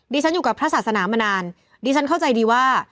ฉันอยู่กับพระศาสนามานานดิฉันเข้าใจดีว่า